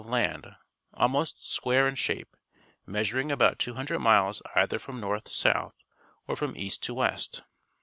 of land, almost square in shape, measuring about 200 miles either from north to south or from east to west.